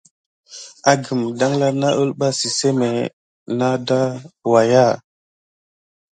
Agum danla na kulɓa siseme nat da wakiya.